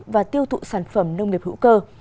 và tiêu thụ sản phẩm nông nghiệp hữu cơ